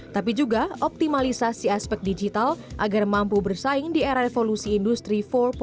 tapi juga optimalisasi aspek digital agar mampu bersaing di era revolusi industri empat